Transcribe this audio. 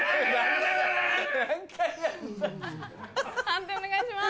判定お願いします。